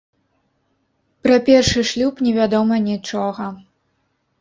Пра першы шлюб не вядома нічога.